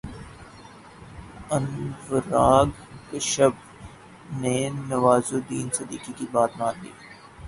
انوراگ کشیپ نے نوازالدین صدیقی کی بات مان لی